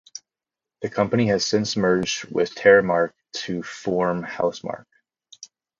The company has since merged with Terramarque to form Housemarque.